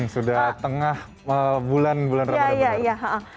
sudah tengah bulan bulan ramadan